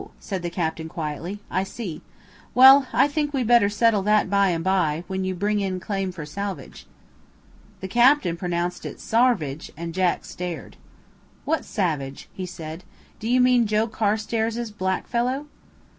said the captain quietly, "I see. Well, I think we'd better settle that by and by when you bring in claim for salvage." The captain pronounced it "sarvidge," and Jack stared. "What savage?" he said. "Do you mean Joe Carstairs' black fellow?"